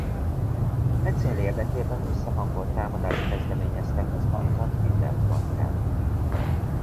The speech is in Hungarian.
E cél érdekében összehangolt támadást kezdeményeztek az antant minden frontján.